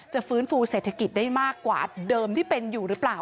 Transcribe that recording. ฟื้นฟูเศรษฐกิจได้มากกว่าเดิมที่เป็นอยู่หรือเปล่า